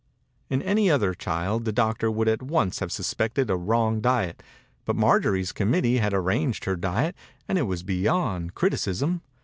In any other child the doctor would at once have suspected a wrong diet, but Marjorie*s com mittee had arranged her diet and it was beyond criticism.